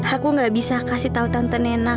aku gak bisa kasih tau tante nena